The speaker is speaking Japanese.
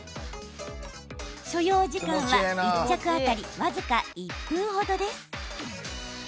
所要時間は１着当たり僅か１分程です。